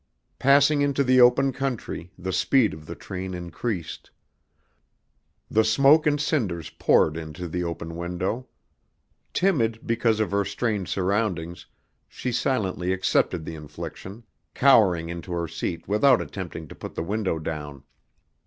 Passing into the open country, the speed of the train increased. The smoke and cinders poured into the open window. Timid because of her strange surroundings, she silently accepted the infliction, cowering into her seat without attempting to put the window down.